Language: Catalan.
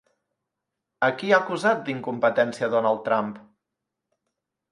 A qui ha acusat d'incompetència Donald Trump?